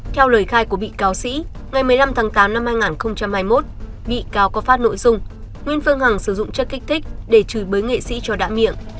theo lời khai của bị cáo sĩ ngày một mươi năm tháng tám năm hai nghìn hai mươi một bị cáo có phát nội dung nguyễn phương hằng sử dụng chất kích thích để chửi bới nghệ sĩ cho đã miệng